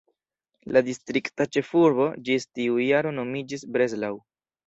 La distrikta ĉefurbo ĝis tiu jaro nomiĝis "Breslau".